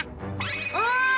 おい！